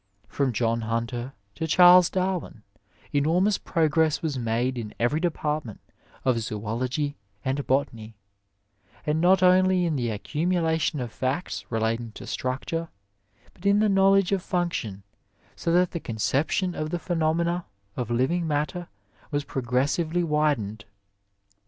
From John Hunter to Charles Darwin enormous progress was made in every department of zoology and botany, and not only in the accumulation of facts relating to structure, but in the knowledge of function, so that the conception of the phe nomena of living matter was progressively widened.